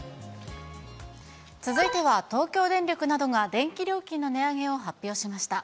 続いては東京電力などが電気料金の値上げを発表しました。